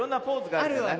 あるわね。